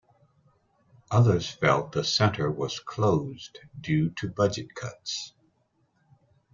Others felt the center was closed due to budget cuts.